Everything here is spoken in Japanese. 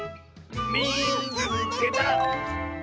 「みいつけた！」。